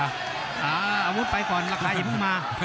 อาวุธไปก่อนลักษณะอย่าพึ่งมา